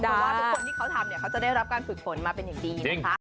เพราะว่าทุกคนที่เขาทำเนี่ยเขาจะได้รับการฝึกฝนมาเป็นอย่างดีนะคะ